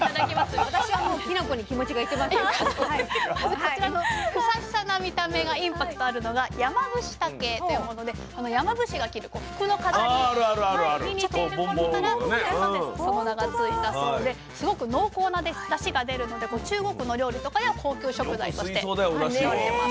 こちらのフサフサな見た目がインパクトあるのがやまぶしたけというもので山伏が着る服の飾りに似ていることからその名が付いたそうですごく濃厚なだしが出るので中国のお料理とかでは高級食材として扱われてます。